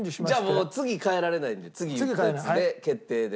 もう次変えられないんで次言ったやつで決定で。